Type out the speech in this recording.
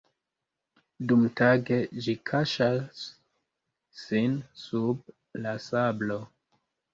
Dumtage ĝi kaŝas sin sub la sablo.